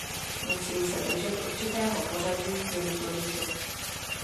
Musím se držet určitého pořadí, je mi to líto.